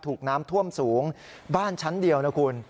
ถูกน้ำท่วมสูงบ้านชั้นเดียวนะคุณ